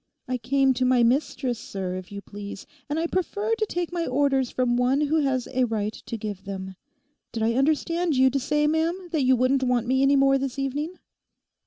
I came to my mistress, sir, if you please; and I prefer to take my orders from one who has a right to give them. Did I understand you to say, ma'am, that you wouldn't want me any more this evening?